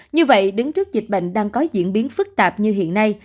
như vậy đứng trước dịch bệnh đang có diễn biến phức tạp như hiện nay